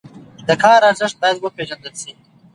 د کار ارزښت باید وپېژندل شي.